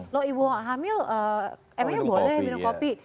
loh ibu hamil emangnya boleh minum kopi